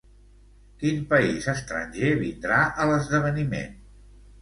Quin país estranger vindrà a l'esdeveniment?